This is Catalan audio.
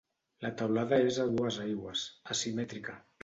La teulada és a dues aigües, asimètrica.